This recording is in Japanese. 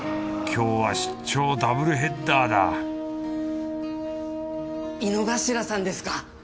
今日は出張ダブルヘッダーだ井之頭さんですか？